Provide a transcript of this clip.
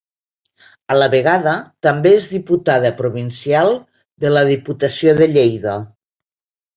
A la vegada també és diputada provincial de la Diputació de Lleida.